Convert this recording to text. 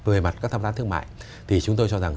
về mặt các tham gia thương mại thì chúng tôi cho rằng